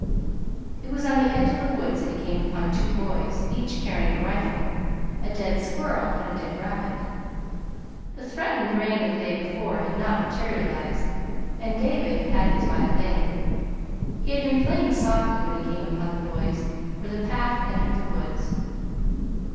It was on the edge of the woods that he came upon two boys, each carrying a rifle, a dead squirrel, and a dead rabbit. The threatened rain of the day before had not materialized, and David had his violin. He had been playing softly when he came upon the boys where the path entered the woods.